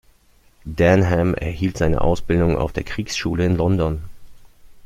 Denham erhielt seine Ausbildung auf der Kriegsschule in London.